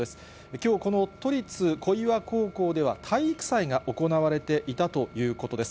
きょう、この都立小岩高校では、体育祭が行われていたということです。